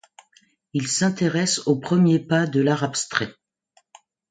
Il s’intéresse aux premiers pas de l’art abstrait.